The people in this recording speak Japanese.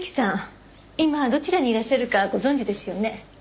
今どちらにいらっしゃるかご存じですよね？